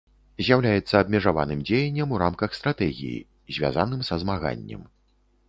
З'яўляецца абмежаваным дзеяннем у рамкай стратэгіі, звязаным са змаганнем.